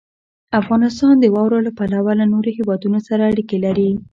افغانستان د واوره له پلوه له نورو هېوادونو سره اړیکې لري.